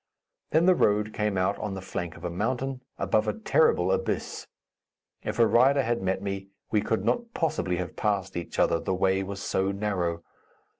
Then the road came out on the flank of the mountain, above a terrible abyss. If a rider had met me, we could not possibly have passed each other, the way was so narrow.